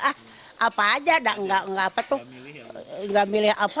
ah apa aja nggak apa tuh nggak milih apa mau makanan eropa apa nggak ada maunya gini gini aja